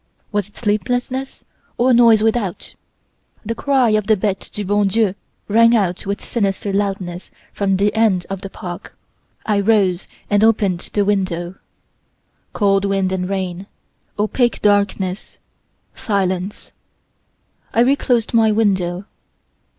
Was it sleeplessness, or noise without? The cry of the Bete du Bon Dieu rang out with sinister loudness from the end of the park. I rose and opened the window. Cold wind and rain; opaque darkness; silence. I reclosed my window.